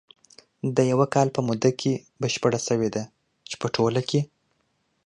د یوه کال په موده کې بشپره شوې ده، چې په ټوله کې